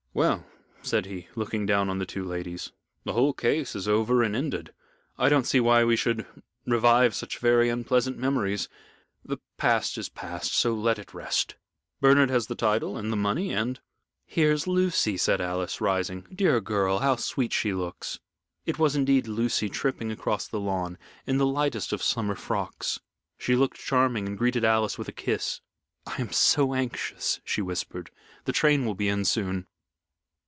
"Well," said he, looking down on the two ladies, "the whole case is over and ended. I don't see why we should revive such very unpleasant memories. The past is past, so let it rest. Bernard has the title and the money and " "Here's Lucy," said Alice, rising. "Dear girl, how sweet she looks!" It was indeed Lucy tripping across the lawn in the lightest of summer frocks. She looked charming, and greeted Alice with a kiss. "I am so anxious," she whispered. "The train will be in soon."